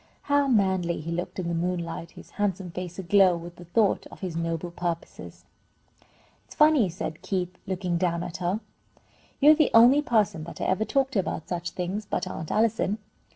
How manly he looked in the moonlight, his handsome face aglow with the thought of his noble purposes! "It's funny," said Keith, looking down at her, "you're the only person that I ever talked to about such things, but Aunt Allison.